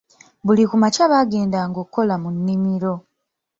Buli ku makya bagenda ng'okola mu nnimiro.